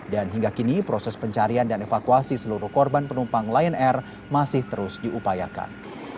dan hingga kini proses pencarian dan evakuasi seluruh korban penumpang lion air masih terus diupayakan